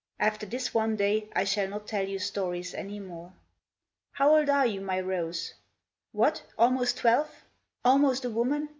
After this one day I shall not tell you stories any more. How old are you, my rose? What! almost twelve? Almost a woman?